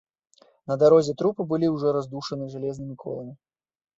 На дарозе трупы былі ўжо раздушаны жалезнымі коламі.